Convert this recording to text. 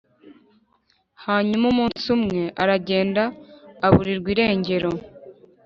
Hanyuma umunsi umwe aragenda aburirwa irengero.